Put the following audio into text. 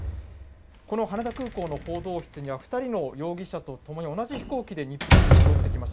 この羽田空港の報道室には、２人の容疑者とともに同じ飛行機で日本に戻ってきました。